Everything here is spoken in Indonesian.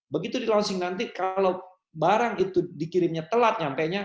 begitu di launching nanti kalau barang itu dikirimnya telat nyampenya